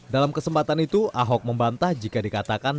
dalam kesempatan itu ahok membantah jika dikatakan